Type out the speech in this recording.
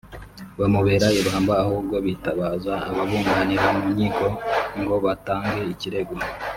bamubera ibamba ahubwo bitabaza ababunganira mu nkiko ngo batange ikirego